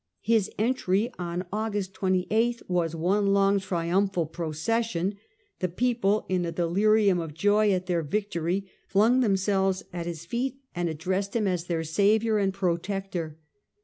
His entry on August 28 was one long triumphal procession ; the people, in a delirium of joy at their victory, flung themselves at his feet, and addressed him as their saviour and protector.